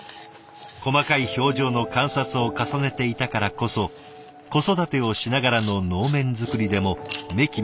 細かい表情の観察を重ねていたからこそ子育てをしながらの能面作りでもメキメキ才能を発揮。